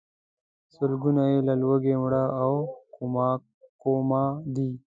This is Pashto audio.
سلګونه یې له لوږې مړه او کوما دي.